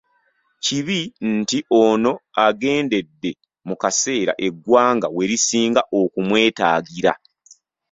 Kibi nti ono agendedde mu kaseera eggwanga we lisinga okumwetaagira.